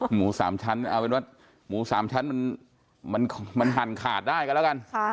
หมู๓ชั้นเอาเป็นว่าหมู๓ชั้นมันหั่นขาดได้กันแล้วกัน